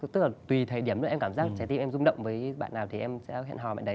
tức là tùy thời điểm em cảm giác trái tim em rung động với bạn nào thì em sẽ hẹn hò bạn đấy